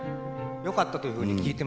よかったというふうに聞いてます。